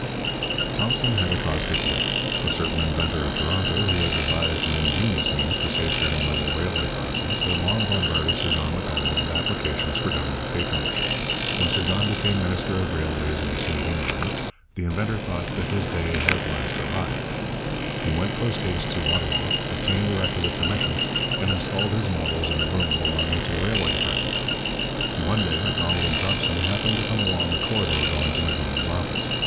Thompson had a caustic wit. A certain inventor of Toronto, who had devised an ingenious means for safeguarding level railway crossings, had long bombarded Sir John Macdonald with applications for Government patronage. When Sir John became minister of Railways in 1889, the inventor thought that his day had at last arrived. He went post haste to Ottawa, obtained the requisite permission, and installed his models in a room belonging to the Railway department. One day Macdonald and Thompson happened to come along the corridor going to Macdonald's office.